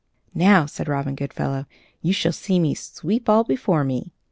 "Now," said Robin Goodfellow, "you shall see me sweep all before me.